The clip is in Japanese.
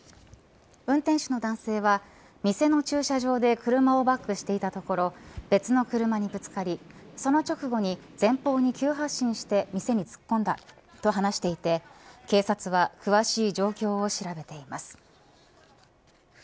運転手の男性は店の駐車場で車をバックしていたところ別の車にぶつかりその直後に前方に急発進して店に突っ込んだ、と話していて警察は詳しい状況を調べています。